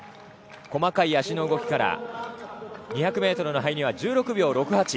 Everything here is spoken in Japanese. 細かい足の動きから２００ｍの入りが１６秒６８。